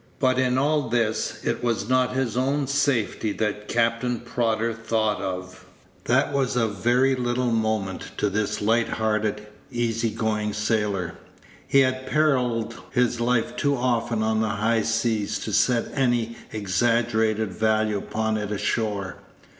But in all this it was not his own safety that Captain Prodder thought of. That was of very little moment to this light hearted, easy going sailor. He had perilled his life too often on the high seas to set any exaggerated value upon it ashore.